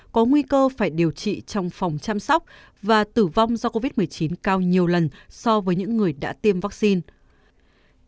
có nguy cơ phải điều trị trong phòng chăm sóc và tử vong do covid một mươi chín cao nhiều lần so với những người đã tiêm vaccine